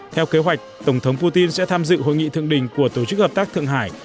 theo kế hoạch tổng thống putin sẽ tham dự hội nghị thượng đỉnh của tổ chức hợp tác thượng hải